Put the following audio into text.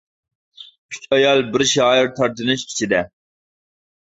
ئۈچ ئايال بىر شائىر تارتىنىش ئىچىدە.